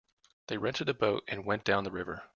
They rented a boat and went down the river.